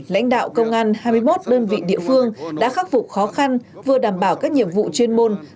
lãnh đạo công an hai mươi một đơn vị địa phương đã khắc phục khó khăn vừa đảm bảo các nhiệm vụ chuyên môn